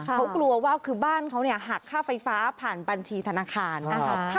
เขากลัวว่าคือบ้านเขาหักค่าไฟฟ้าผ่านบัญชีธนาคาร